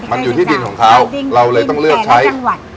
มันอยู่ที่ดินของเขาเราเลยต้องเลือกใช้จังหวัด